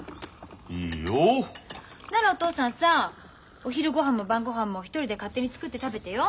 いいよ。ならお父さんさお昼ごはんも晩ごはんも一人で勝手に作って食べてよ。